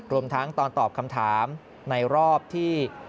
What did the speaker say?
รวมทั้งตอนตอบคำถามในรอบที่